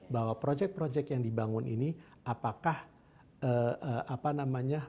bahwa proyek proyek yang dibangun ini apakah apa namanya